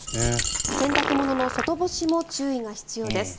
洗濯物の外干しも注意が必要です。